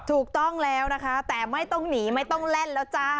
ถูกต้องแล้วนะคะแต่ไม่ต้องหนีไม่ต้องแล่นแล้วจ้า